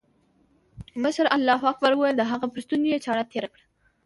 مشر الله اکبر وويل د هغه پر ستوني يې چاړه تېره کړه.